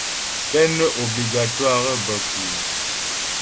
Peine obligatoire bə kʉ́ʉ́ ?